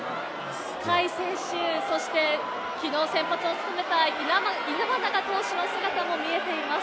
甲斐選手、そして昨日先発を務めました今永投手の姿も見えています。